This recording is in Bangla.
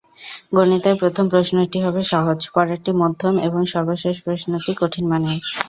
গণিতের প্রথম প্রশ্নটি হবে সহজ, পরেরটি মধ্যম এবং সর্বশেষ প্রশ্নটি কঠিন মানের।